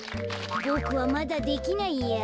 ボクはまだできないや。